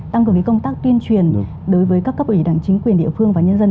tăng cường công tác tuyên truyền đối với các cấp ủy đảng chính quyền địa phương và nhân dân